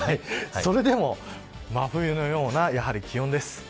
それでも真冬のような気温です。